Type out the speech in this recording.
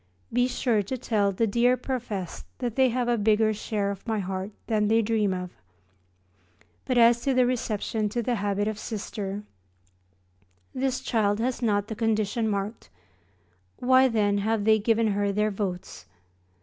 Be sure to tell the dear professed that they have a bigger share of my heart than they dream of. But as to the reception to the habit of Sister this child has not the conditions marked, why then have they given her their votes?